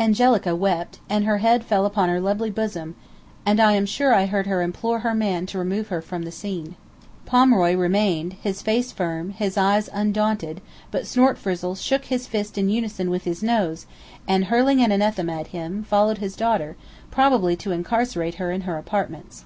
Angelica wept, and her head fell upon her lovely bosom, and I am sure I heard her implore her man to remove her from the scene. Pomeroy remained, his face firm, his eyes undaunted, but Snortfrizzle shook his fist in unison with his nose, and, hurling an anathema at him, followed his daughter, probably to incarcerate her in her apartments.